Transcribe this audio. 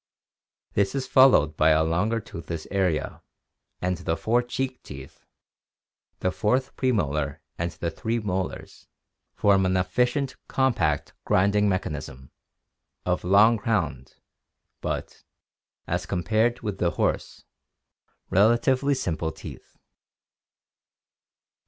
This is followed by a longer toothless area, and the four cheek teeth — the fourth premolar and the three molars — form an efficient com CAMELS 629 pact grinding mechanism, of long crowned but, as compared with the horse, relatively simple teeth.